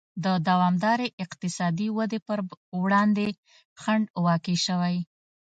د دوامدارې اقتصادي ودې پر وړاندې خنډ واقع شوی.